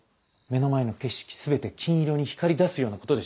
目の前の景色全て金色に光りだすようなことでしょう。